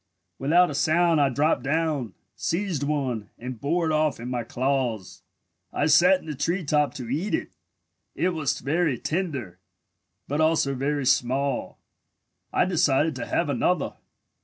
Without a sound I dropped down, seized one, and bore it off in my claws. I sat in the tree top to eat it. It was very tender, but also very small. I decided to have another.